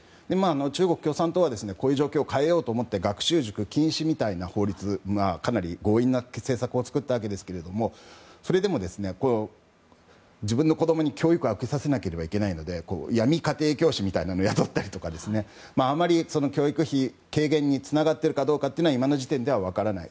中国共産党はこういう状況を変えようと思って学習塾禁止みたいな法律やかなり強引な政策を作ったわけですがそれでも、自分の子供に教育は受けさせなければいけないので闇家庭教師みたいなのを雇ったりですとかあまり教育費軽減につながっているかどうかは今の時点では分からない。